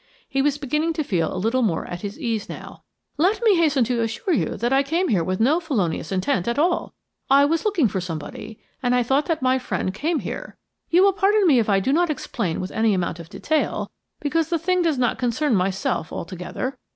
He was beginning to feel a little more at his ease now. "Let me hasten to assure you that I came here with no felonious intent at all. I was looking for somebody, and I thought that my friend came here. You will pardon me if I do not explain with any amount of detail, because the thing does not concern myself altogether.